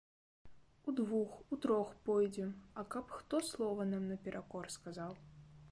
Удвух, утрох пойдзем, а каб хто слова нам наперакор сказаў.